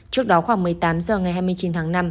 trước đó khoảng một mươi tám h ngày hai mươi chín tháng năm